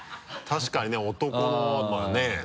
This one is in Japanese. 確かにね男のまぁね。